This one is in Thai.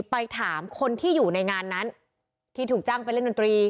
ไปถามคนที่อยู่ในงานนั้นที่ถูกจ้างไปเล่นดนตรี